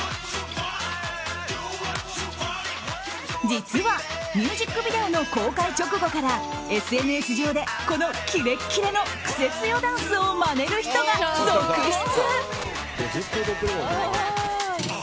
実は、ミュージックビデオの公開直後からＳＮＳ上で、このキレッキレのクセ強ダンスをまねる人が続出。